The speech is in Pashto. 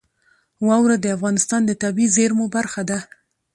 واوره د افغانستان د طبیعي زیرمو برخه ده.